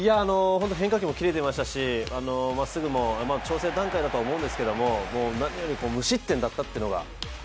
変化球もキレてましたし、まっすぐも調整段階だと思いますけど何より無失点だったというのが。